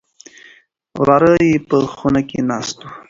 وراره يې په خونه کې ناست و.